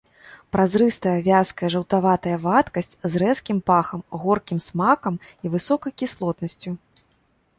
Празрыстая вязкая жаўтаватая вадкасць з рэзкім пахам, горкім смакам і высокай кіслотнасцю.